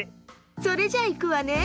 それじゃいくわね。